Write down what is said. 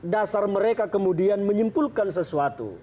dasar mereka kemudian menyimpulkan sesuatu